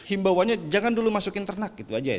imbauannya jangan dulu masukin ternak